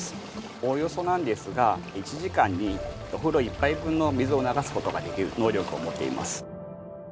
おおよそなんですが１時間にお風呂１杯分の水を流す事ができる能力を持っています。